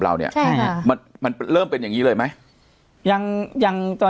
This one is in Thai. เราเนี่ยใช่ค่ะมันมันเริ่มเป็นอย่างงี้เลยไหมยังยังตอน